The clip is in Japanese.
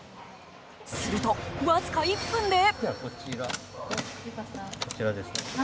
すると、わずか１分で。